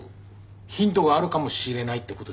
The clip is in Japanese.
ヒントがあるかもしれないってことですよね。